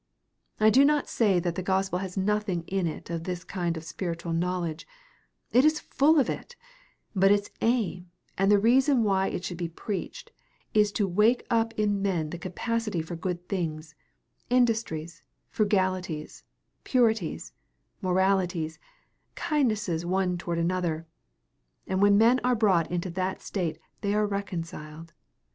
I do not say that the gospel has nothing in it of this kind of spiritual knowledge; it is full of it, but its aim and the reason why it should be preached is to wake up in men the capacity for good things, industries, frugalities, purities, moralities, kindnesses one toward another: and when men are brought into that state they are reconciled.